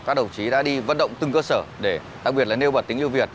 các đồng chí đã đi vận động từng cơ sở để đặc biệt là nêu bật tính yêu việt